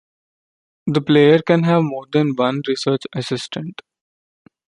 The player can have more than one Research Assistant.